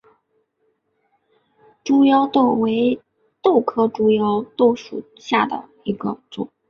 猪腰豆为豆科猪腰豆属下的一个种。